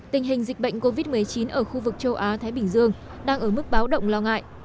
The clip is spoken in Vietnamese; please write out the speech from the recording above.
tình hình dịch bệnh covid một mươi chín ở khu vực châu á thái bình dương đang ở mức báo động lo ngại